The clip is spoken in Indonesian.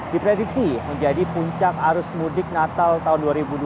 diprediksi menjadi puncak arus mudik natal tahun dua ribu dua puluh